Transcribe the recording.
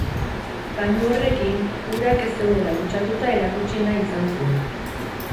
Bainu horrekin, urak ez zeudela kutsatuta erakutsi nahi izan zuen.